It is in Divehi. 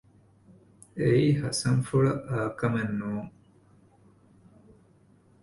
އެއީ ހަސަންފުޅަށް އާކަމެއް ނޫން